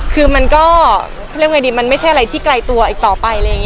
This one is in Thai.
คือมันก็เรียกว่าดีมันไม่ใช่อะไรที่ไกลตัวอีกต่อไป